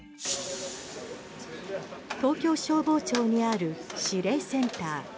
東京消防庁にある指令センター。